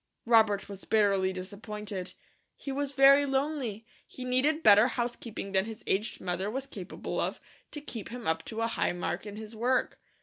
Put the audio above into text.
Robert was bitterly disappointed. He was very lonely; he needed better housekeeping than his aged mother was capable of, to keep him up to a high mark in his work.